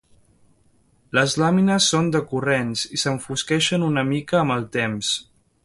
Les làmines són decurrents i s'enfosqueixen una mica, amb el temps.